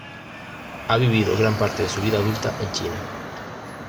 Ha vivido gran parte de su vida adulta en China.